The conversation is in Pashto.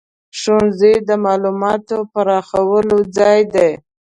ښوونځی د معلوماتو پراخولو ځای دی.